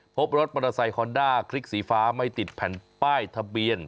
พบรถมอเตอร์ไซคอนด้าคลิกสีฟ้าไม่ติดแผ่นป้ายทะเบียน